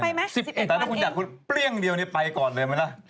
แต่ถ้าคุณอยากคุณเปรี้ยงเดียวนี่ไปก่อนเลยไหมล่ะ